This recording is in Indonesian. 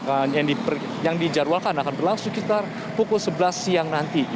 dan ada demo yang dijaruhkan akan berlangsung sekitar pukul sebelas siang nanti